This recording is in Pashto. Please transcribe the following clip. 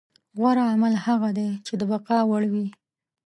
غوره عمل هغه دی چې د بقا وړ وي.